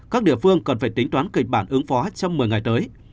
các địa phương cần phải tính toán kịch bản ứng phó trong một mươi ngày tới